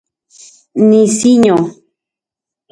Nisiño